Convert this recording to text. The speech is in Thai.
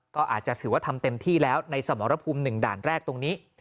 ก็อาจจะถือว่าทำเต็มที่แล้วในสมรภูมิ๑ด่านแรกตรงนี้